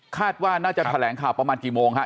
คาดว่าน่าจะแถลงข่าวประมาณกี่โมงฮะ